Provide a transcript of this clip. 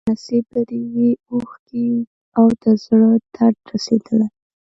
خو نصیب به دي وي اوښکي او د زړه درد رسېدلی